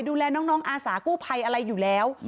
ดูแลน้องอาสากู้ภัยอะไรอยู่แล้ว